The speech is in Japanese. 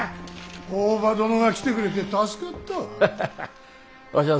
大庭殿が来てくれて助かったわ。